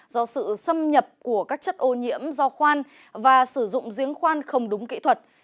do sự xâm nhập của các chất ô nhiễm do khoan và sử dụng giếng khoan không đúng kỹ thuật